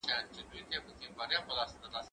زه مڼې خوړلي دي